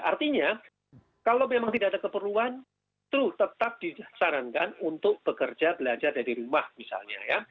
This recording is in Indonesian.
artinya kalau memang tidak ada keperluan itu tetap disarankan untuk bekerja belajar dari rumah misalnya ya